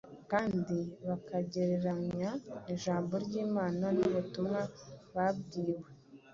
kandi bakagereranya ijambo ry’Imana n’ubutumwa babwiwe,